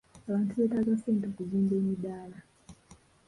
Abantu beetaaga ssente okuzimba emidaala.